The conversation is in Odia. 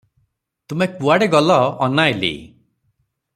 ତୁମେ କୁଆଡେ ଗଲ, ଅନାଇଲି ।